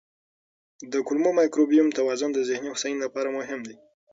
د کولمو مایکروبیوم توازن د ذهني هوساینې لپاره مهم دی.